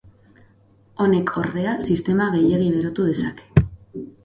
Honek ordea, sistema gehiegi berotu dezake.